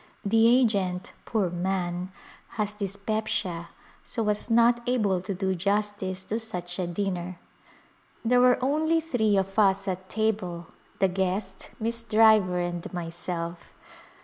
The agent, poor man, has dyspepsia, so was not able to do justice to such a dinner. There were only three of us at table, the guest. Miss Driver and myself.